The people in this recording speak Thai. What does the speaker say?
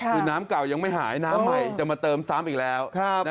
คือน้ำเก่ายังไม่หายน้ำใหม่จะมาเติมซ้ำอีกแล้ว